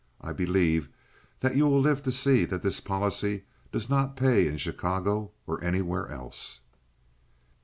I believe that you will live to see that this policy does not pay in Chicago or anywhere else."